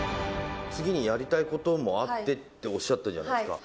次にやりたいこともあってっておっしゃったじゃないですか。